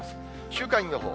週間予報。